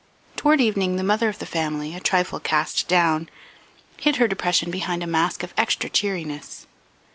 Toward evening the mother of the family, a trifle cast down, hid her depression behind a mask of extra cheeriness.